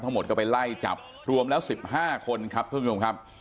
ทั้งหมดก็ไปไล่จับรวมแล้วสิบห้าคนครับคุณผู้ชมครับ